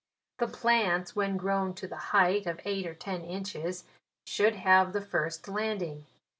154 JULY. " The plants, when grown to the height of eight or ten inches, should have their tirst landing.